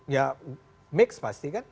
ya mix pasti kan